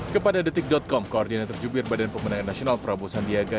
kepada thetik com koordinator jumir badan pemenang nasional prabowo sandiaga